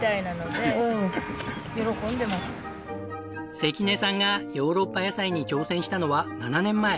関根さんがヨーロッパ野菜に挑戦したのは７年前。